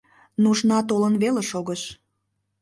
Нужна толын веле шогыш.